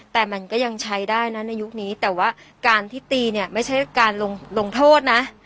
แต่มันก็ยังใช้ได้นะในยุคนี้แต่ว่าการที่ตีเนี่ยไม่ใช่การลงโทษนะ